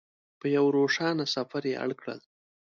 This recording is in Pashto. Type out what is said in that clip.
په یوه روښانه سفر یې اړ کړل.